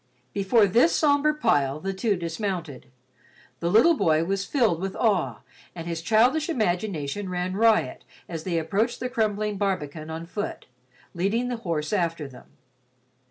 Before this somber pile, the two dismounted. The little boy was filled with awe and his childish imagination ran riot as they approached the crumbling barbican on foot, leading the horse after them.